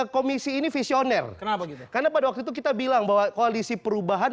komisi ini visioner kenapa gitu karena pada waktu itu kita bilang bahwa koalisi perubahan